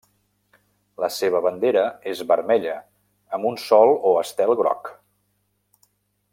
La seva bandera és vermella amb un sol o estel groc.